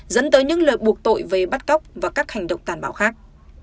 dẫn tới những lời buộc tội về bắt cóc và các hành động tàn bạo khác